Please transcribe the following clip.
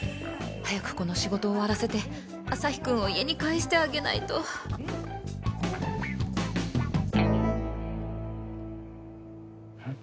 早くこの仕事を終わらせてアサヒくんを家に帰してあげないとん？